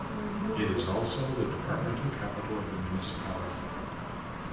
It is also the departmental capital of the municipality.